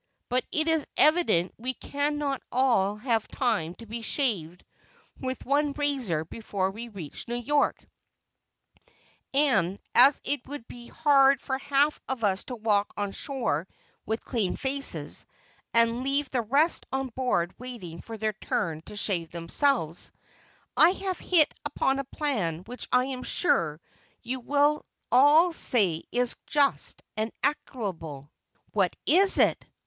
But it is evident we cannot all have time to be shaved with one razor before we reach New York, and as it would be hard for half of us to walk on shore with clean faces, and leave the rest on board waiting for their turn to shave themselves, I have hit upon a plan which I am sure you will all say is just and equitable." "What is it?"